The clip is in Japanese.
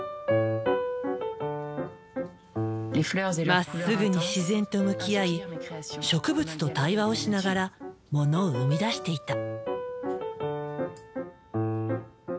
まっすぐに自然と向き合い植物と対話をしながらものを生み出していた。